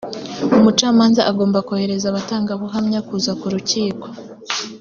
umucamanza agomba korohereza abatangabuhamya kuza ku rukiko